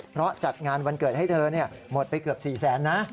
เพราะจัดงานวันเกิดให้เธอเนี่ยหมดไปเกือบ๔๐๐๐๐๐นะ